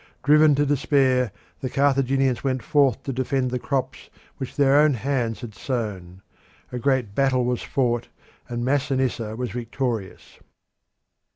Driven to despair, the Carthaginians went forth to defend the crops which their own hands had sown. A great battle was fought, and Masinissa was victorious.